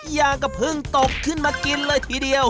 อย่าก็เพิ่งตกขึ้นมากินเลยทีเดียว